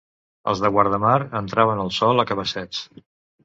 Els de Guardamar entraven el sol a cabassets.